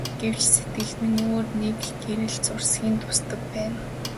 Гэвч сэтгэлд минь өөр нэг гэрэл зурсхийн тусдаг байна.